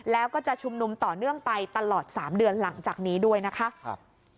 แล้วก็จะชุมนุมต่อเนื่องไปตลอด๓เดือนหลังจากนี้ด้วยนะคะ